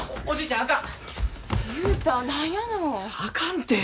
おじいちゃん